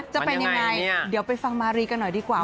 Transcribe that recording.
จะเป็นยังไงเดี๋ยวไปฟังมารีกันหน่อยดีกว่า